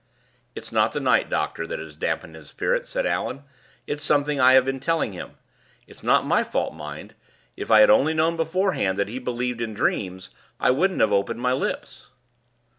"It's not the night, doctor, that has damped his spirits," said Allan. "It's something I have been telling him. It is not my fault, mind. If I had only known beforehand that he believed in dreams, I wouldn't have opened my lips."